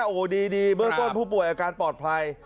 โอ้โหดีเบื้องต้นผู้ป่วยอาการปลอดภัย